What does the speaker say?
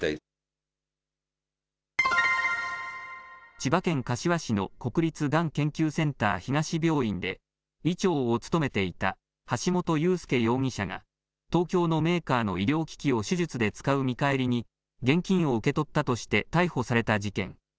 千葉県柏市の国立がん研究センター東病院で、医長を務めていた橋本裕輔容疑者が、東京のメーカーの医療機器を手術で使う見返りに、現金を受け取ったとして逮捕された事件。